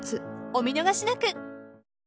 お見逃しなく。